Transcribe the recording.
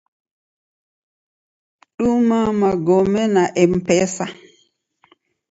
Duma magome na Mpesa.